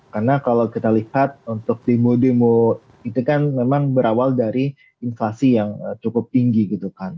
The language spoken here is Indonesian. karena kalau kita lihat untuk demo demo itu kan memang berawal dari inflasi yang cukup tinggi gitu kan